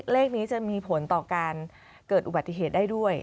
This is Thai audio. เลขนี้จะมีผลต่อการเกิดอุบัติเหตุได้ด้วย